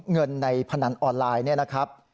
เงินในพนันออนไลน์เนี่ยนะครับ